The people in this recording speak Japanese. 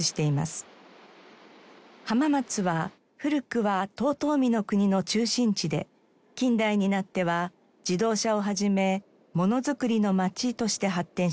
浜松は古くは遠江国の中心地で近代になっては自動車を始めものづくりの街として発展しました。